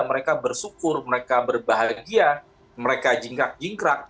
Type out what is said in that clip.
mereka bersyukur mereka berbahagia mereka jingkrak jingkrak